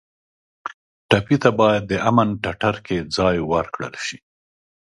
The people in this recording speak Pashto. ټپي ته باید د امن ټټر کې ځای ورکړل شي.